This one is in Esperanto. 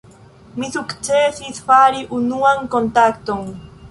Mi sukcesis fari unuan kontakton.